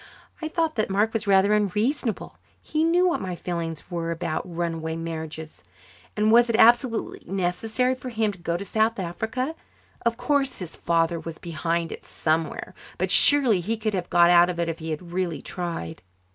I thought that Mark was rather unreasonable. He knew what my feelings about run away marriages were. And was it absolutely necessary for him to go to South Africa? Of course his father was behind it somewhere, but surely he could have got out of it if he had really tried.